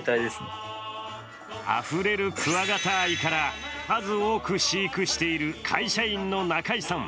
あふれるクワガタ愛から数多く飼育している会社員の中井さん。